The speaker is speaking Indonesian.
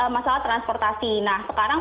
masalah transportasi nah sekarang